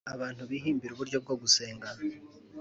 Abantu bihimbire uburyo bwo gusenga.